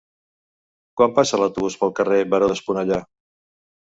Quan passa l'autobús pel carrer Baró d'Esponellà?